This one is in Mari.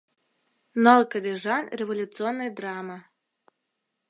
Ныл кыдежан революционный драме